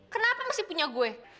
kenapa masih punya gue